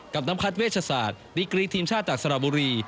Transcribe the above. กับน้ำคัดเวชศาสตร์ดีกรีทีมชาติจากสระบุรี